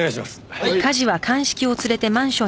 はい！